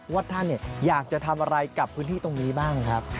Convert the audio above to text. ว่าท่านอยากจะทำอะไรกับพื้นที่ตรงนี้บ้างครับ